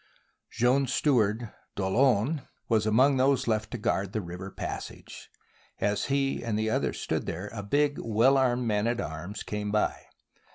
Joan's Steward, D'Aulon, was among those left to guard the river passage. As he and others stood there a " big, well armed man at arms " came by.